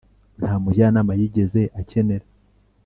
nta mujyanama yigeze akenera.